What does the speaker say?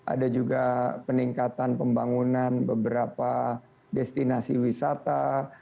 ada juga peningkatan pembangunan beberapa destinasi wisata